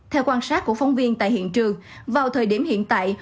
theo quan sát của phóng viên tại hiện trường vào thời điểm hiện tại